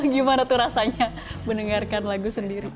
gimana tuh rasanya mendengarkan lagu sendiri